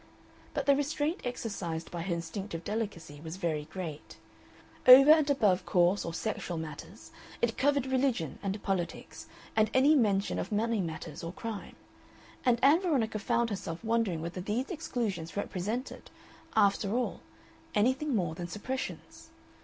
But the restraint exercised by her instinctive delicacy was very great; over and above coarse or sexual matters it covered religion and politics and any mention of money matters or crime, and Ann Veronica found herself wondering whether these exclusions represented, after all, anything more than suppressions.